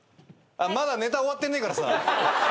まだネタ終わってねえからさ。